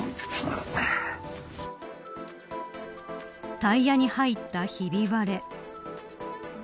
タイヤに入ったひび割れ。